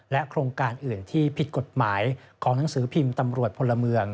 โครงการอื่นที่ผิดกฎหมายของหนังสือพิมพ์ตำรวจพลเมือง